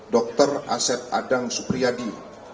dr asep adang supriyadi